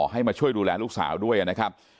ให้มาช่วยดูแลลูกสาวด้วยนะครับ